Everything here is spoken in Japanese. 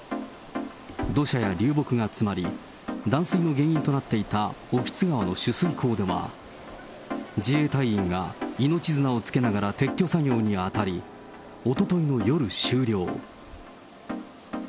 土砂や流木が詰まり、断水の原因となっていた興津川の取水口では、自衛隊員が命綱をつけながら撤去作業に当たり、おとといの夜、終了。